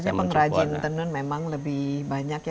biasanya pengrajin tenun memang lebih banyak ya